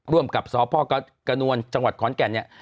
ร่วมกับสพกระนวลจังหวัดขอนแก่นเนี่ย